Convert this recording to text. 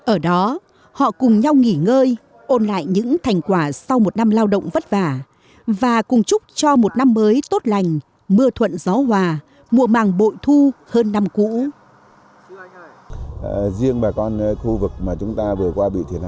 ở đó họ cùng nhau nghỉ ngơi ôn lại những thành quả sau một năm lao động vất vả và cùng chúc cho một năm mới tốt lành mưa thuận gió hòa mùa màng bội thu hơn năm cũ